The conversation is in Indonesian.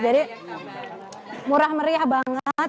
jadi murah meriah banget